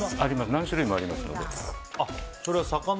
何種類もありますので。